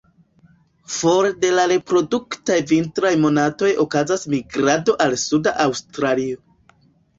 For de la reproduktaj vintraj monatoj okazas migrado al Suda Aŭstralio.